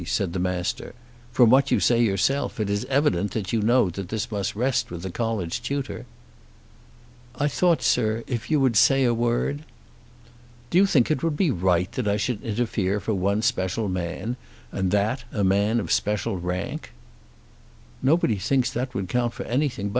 said the Master. "From what you say yourself, it is evident that you know that this must rest with the College tutor." "I thought, sir, if you would say a word." "Do you think it would be right that I should interfere for one special man, and that a man of special rank?" "Nobody thinks that would count for anything.